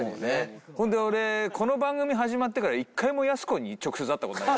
ほんで俺この番組始まってから一回もやす子に直接会ったことない。